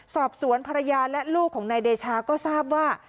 สอบสวนภรรยาและลูกของนายเดชาก็ทราบว่า